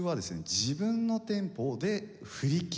自分のテンポで振り切る。